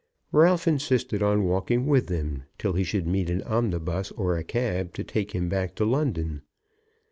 Ralph insisted on walking with them till he should meet an omnibus or a cab to take him back to London.